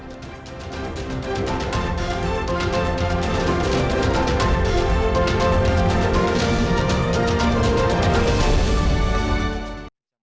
kami akan segera kembali ke panggung depan